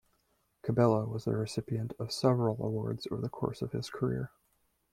Cabela was the recipient of several awards over the course of his career.